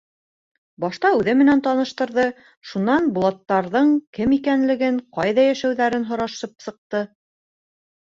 Башта үҙе менән таныштырҙы, шунан Булаттарҙың кем икәнлеген, ҡайҙа йәшәүҙәрен һорашып сыҡты.